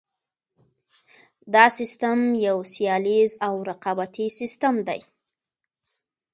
دا سیستم یو سیالیز او رقابتي سیستم دی.